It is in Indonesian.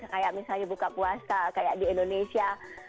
kayak misalnya buka puasa kayak di indonesia